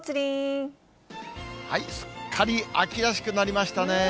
すっかり秋らしくなりましたね。